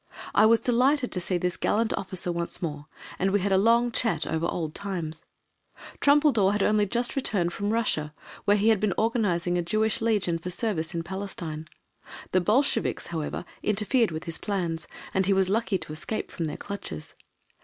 I was delighted to see this gallant officer once more, and we had a long chat over old times. Trumpeldor had only just returned from Russia, where he had been organizing a Jewish Legion for service in Palestine. The Bolsheviks, however, interfered with his plans, and he was lucky to escape from their clutches.